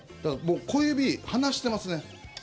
小指、離してますね。